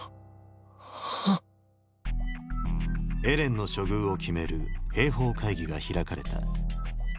エレンの処遇を決める兵法会議が開かれた。